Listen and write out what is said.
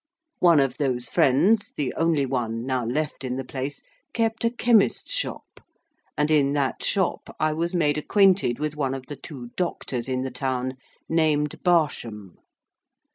One of those friends (the only one now left in the place) kept a chemist's shop, and in that shop I was made acquainted with one of the two doctors in the town, named Barsham.